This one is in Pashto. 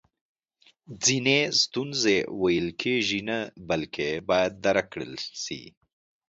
ځینې ستونزی ویل کیږي نه بلکې باید درک کړل سي